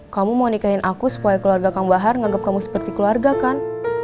kamu mau nikahin aku supaya keluarga kang bahar ngagep kamu seperti keluarga kan